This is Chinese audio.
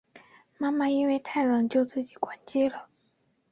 妈妈因为太冷就自己关机了